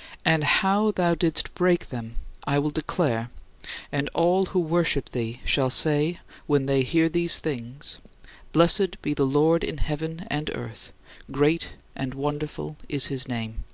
" And how thou didst break them I will declare, and all who worship thee shall say, when they hear these things: "Blessed be the Lord in heaven and earth, great and wonderful is his name."